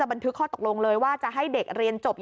ไม่รักเด็กเลย